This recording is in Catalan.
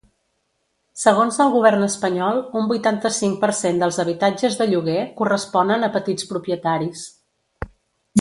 Segons el govern espanyol, un vuitanta-cinc per cent dels habitatges de lloguer corresponen a petits propietaris.